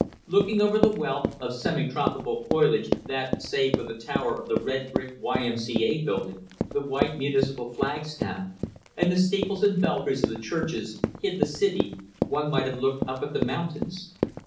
Looking over the wealth of semi tropical foliage that save for the tower of the red brick Y.M.C.A. building, the white, municipal flagstaff, and the steeples and belfries of the churches hid the city, one might have looked up at the mountains.